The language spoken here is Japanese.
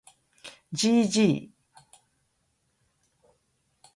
gg